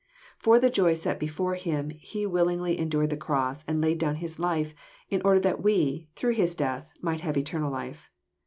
For the joy set before Him He will ingly endured the cross, and laid down His life, in order that we, through His death, might have eternal life.